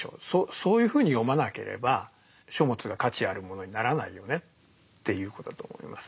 そういうふうに読まなければ書物が価値あるものにならないよねっていうことだと思いますね。